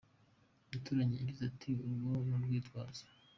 Umuturanyi yagize ati :« Urwo ni urwitwazo.